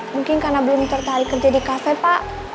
mungkin karena belum tertarik kerja di kafe pak